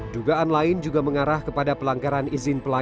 dugaan lain juga mengarah kepada pelanggaran izin pelayanan